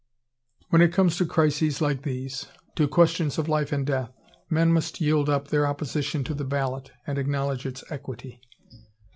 When it comes to crises like these, to questions of life and death, men must yield up their opposition to the ballot, and acknowledge its equity.